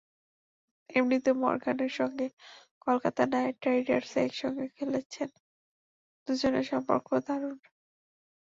এমনিতে মরগানের সঙ্গে কলকাতা নাইট রাইডার্সে একসঙ্গে খেলেছেন, দুজনের সম্পর্কও দারুণ।